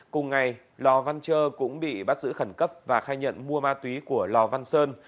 cùng ngày lò văn trơ cũng bị bắt giữ khẩn cấp và khai nhận mua ma túy của lò văn sơn